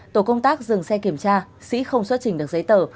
tổ công tác dừng xe kiểm tra sĩ không xuất trình được giấy tờ